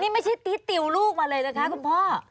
นี่ไม่ใช่ติ๊ดติวลูกมาเลยนะคะคุณพ่อ